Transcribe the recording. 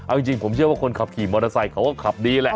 เอาจริงผมเชื่อว่าคนขับขี่มอเตอร์ไซค์เขาก็ขับดีแหละ